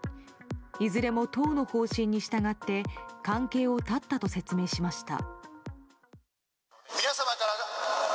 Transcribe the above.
いずれも党の方針に従って関係を断ったと説明しました。